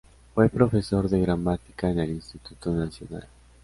Fue profesor de gramática en el Instituto Nacional.